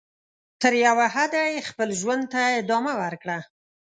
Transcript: تر یوه حده یې خپل ژوند ته ادامه ورکړه.